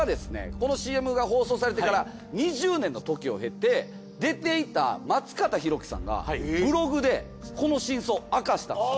このＣＭが放送されてから２０年の時を経て出ていた松方弘樹さんがブログでこの真相明かしたんですよ。